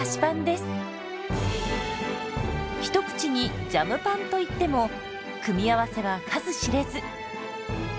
一口に「ジャムパン」といっても組み合わせは数知れず。